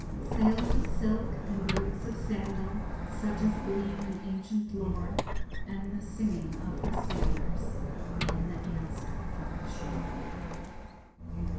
Sails of silk and ropes of sandal Such as gleam in ancient lore, And the singing of the sailors, _And the answer from the shore.